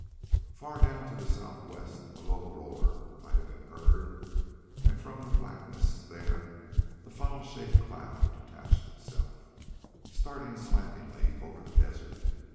Far down to the southwest a low roar might have been heard, and from the blackness there a funnel shaped cloud detached itself, starting slantingly over the desert.